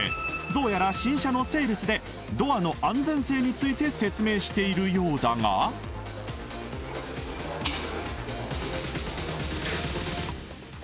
どうやら新車のセールスでドアの安全性について説明しているようだがはずが